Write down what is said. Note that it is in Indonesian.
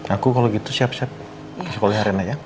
aku kalau gitu siap siap ke sekolah reina ya